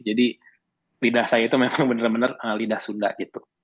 jadi lidah saya itu memang benar benar lidah sunda gitu